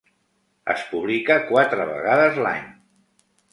Es publica quatre vegades l'any.